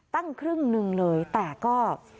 ตั้งครึ่งหนึ่งเลยแต่ก็